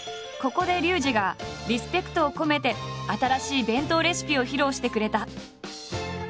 ここでリュウジがリスペクトを込めて新しい弁当レシピを披露してくれた。